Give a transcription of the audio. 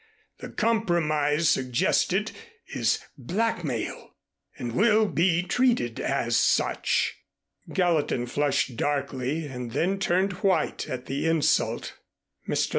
The compromise suggested is blackmail and will be treated as such." Gallatin flushed darkly and then turned white at the insult. "Mr.